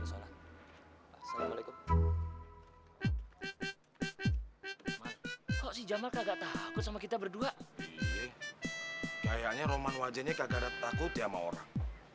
kok si jamal kagak takut sama kita berdua kayaknya roman wajahnya kagak takut sama orang